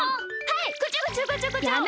はいこちょこちょこちょこちょ。